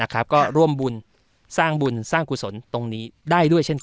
ก็ร่วมบุญสร้างบุญสร้างกุศลตรงนี้ได้ด้วยเช่นกัน